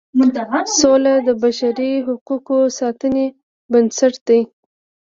سوله د بشري حقوقو د ساتنې بنسټ دی.